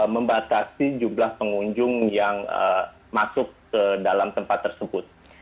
membatasi jumlah pengunjung yang masuk ke dalam tempat tersebut